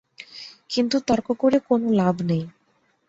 কিন্তু তর্ক করে কোনো লাভ নেই।